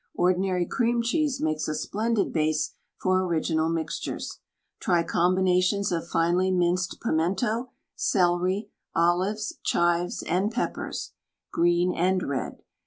Ordinary cream cheese makes a splendid base for original mixtures. Try combinations of finely minced pimento, celery, olives, chives and peppers (green and red).